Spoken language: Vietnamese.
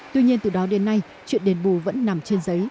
tuy nhiên từ đó đến nay chuyện đền bù vẫn nằm trên giấy